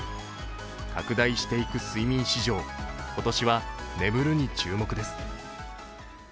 拡大していく睡眠市場今年は「眠る」に注目です。